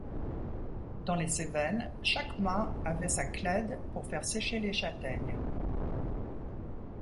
Dans les Cévennes, chaque mas avait sa clède pour faire sécher les châtaignes.